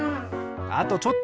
あとちょっと！